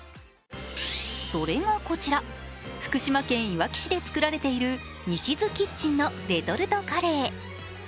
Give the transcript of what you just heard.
それがこちら、福島県いわき市で作られているニシズキッチンのレトルトカレー。